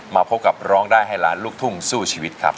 มาพบกับร้องได้ให้ล้านลูกทุ่งสู้ชีวิตครับ